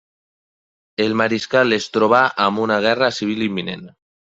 El mariscal es trobà amb una guerra civil imminent.